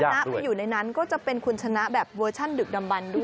นะไปอยู่ในนั้นก็จะเป็นคุณชนะแบบเวอร์ชันดึกดำบันด้วย